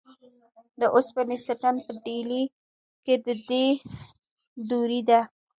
د اوسپنې ستن په ډیلي کې د دې دورې ده.